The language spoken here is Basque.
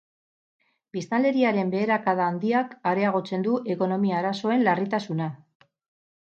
Biztanleriaren beherakada handiak areagotzen du ekonomia arazoen larritasuna.